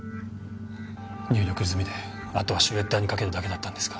入力済みであとはシュレッダーにかけるだけだったんですが。